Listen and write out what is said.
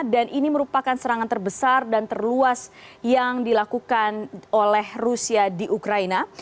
dan ini merupakan serangan terbesar dan terluas yang dilakukan oleh rusia di ukraina